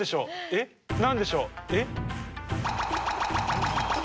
えっ何でしょう？